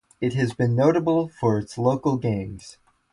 It has been notable for its local gangs.